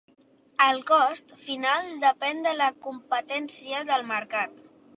El cost final depèn de la competència al mercat.